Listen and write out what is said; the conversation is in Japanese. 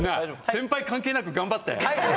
先輩関係なく頑張って。